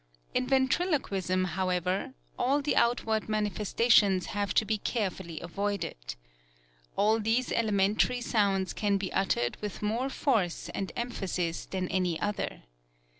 In Ven triloquism, however, all the outward manifestations have to be carefully avoided. All these elementary sounds can be uttered with more force and emphasis than any other.